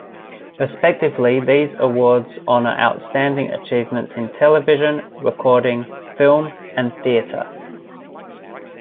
Respectively, these awards honor outstanding achievements in television, recording, film, and theater.